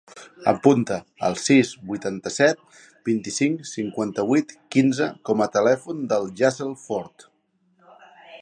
Apunta el sis, vuitanta-set, vint-i-cinc, cinquanta-vuit, quinze com a telèfon del Yasser Fort.